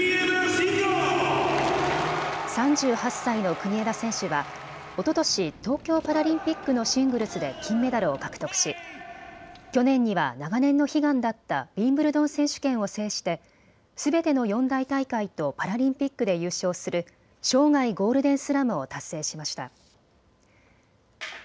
３８歳の国枝選手は、おととし東京パラリンピックのシングルスで金メダルを獲得し去年には長年の悲願だったウィンブルドン選手権を制してすべての四大大会とパラリンピックで優勝する生涯ゴールデンスラムを達成しました。